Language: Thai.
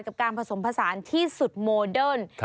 กับการผสมผสานที่สุดโมเดิร์น